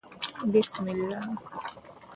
بسم الله